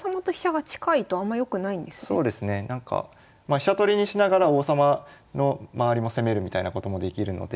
飛車取りにしながら王様の周りも攻めるみたいなこともできるので。